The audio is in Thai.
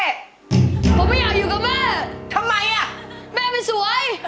ดูเร็ว